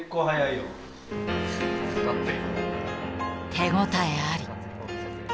手応えあり。